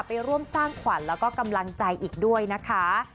ไปร่วมสร้างขวัญแล้วก็กำลังใจอีกด้วยนะคะ